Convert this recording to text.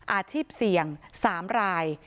อาชีพเสี่ยง๓ราย